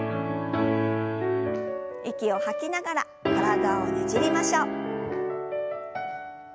息を吐きながら体をねじりましょう。